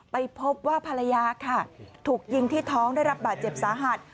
ไปพบว่าภรรยาค่ะถูกยิงที่ท้องได้รับบาดเจ็บสาหัส